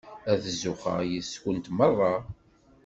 Ad zuxxeɣ yess-kent merra.